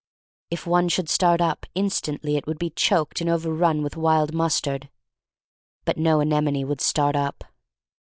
If one should start up, instantly it would be choked and overrun with wild mus tard. But no anemone would start up.